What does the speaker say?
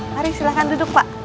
mari silahkan duduk pak